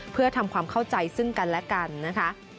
เพื่อทำความเข้าใจซึ่งกันและกันนะคะ